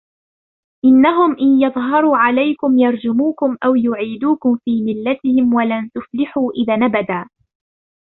إِنَّهُمْ إِنْ يَظْهَرُوا عَلَيْكُمْ يَرْجُمُوكُمْ أَوْ يُعِيدُوكُمْ فِي مِلَّتِهِمْ وَلَنْ تُفْلِحُوا إِذًا أَبَدًا